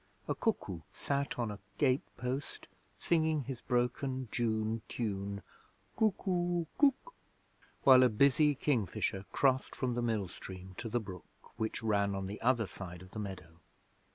A cuckoo sat on a gate post singing his broken June tune, 'cuckoo cuk', while a busy kingfisher crossed from the mill stream, to the brook which ran on the other side of the meadow.